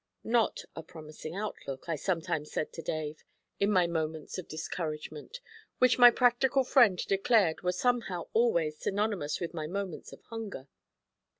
Not a promising outlook, I sometimes said to Dave, in my moments of discouragement, which my practical friend declared were somehow always synonymous with my moments of hunger.